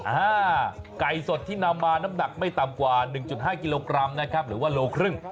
อ่าไก่สดที่นำมาน้ำหนักไม่ต่ำกว่า๑๕กิโลกรัมนะครับหรือว่าโลครึ่ง